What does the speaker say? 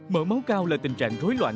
mỡ máu cao là tình trạng rối loạn